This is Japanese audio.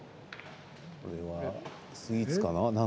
これはスイーツかな？